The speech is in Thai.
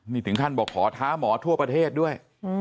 นี่ถึงขั้นบอกขอท้าหมอทั่วประเทศด้วย